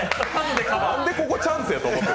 何でここチャンスやと。